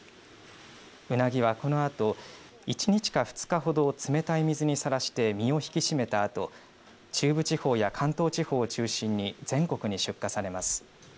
ウナギはこのあと１日か２日ほど冷たい水にさらして身を引き締めたあと中部地方や関東地方を中心に全国に出荷されます。